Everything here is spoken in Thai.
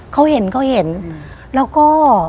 เขาเห็นเขาเห็นแล้วก็